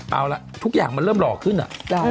เอาละทุกอย่างมันเริ่มหล่อขึ้นอะ